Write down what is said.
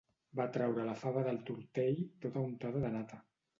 Va traure la fava del tortell tota untada de nata.